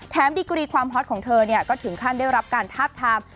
ดีกรีความฮอตของเธอก็ถึงขั้นได้รับการทาบทาม